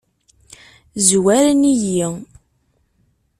Zwaren-iyi.